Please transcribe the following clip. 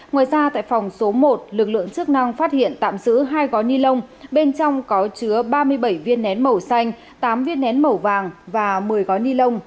ngoài ra tại phòng số một lực lượng chức năng phát hiện tạm giữ hai gói ni lông bên trong có chứa ba mươi bảy viên nén màu xanh tám viên nén màu vàng và một mươi gói ni lông